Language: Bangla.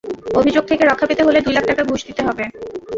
অভিযোগ থেকে রক্ষা পেতে হলে দুই লাখ টাকা ঘুষ দিতে হবে।